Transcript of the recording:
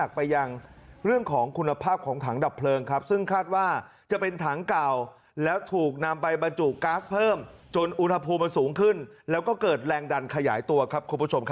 สเปคอย่างไรอะไรอย่างไรนะครับ